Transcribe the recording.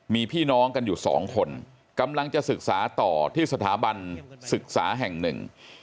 มีพี่น้องกันอยู่สองคนกำลังจะศึกษาต่อที่สถาบันศึกษาแห่งหนึ่ง